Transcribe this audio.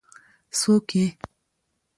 ـ څوک یې؟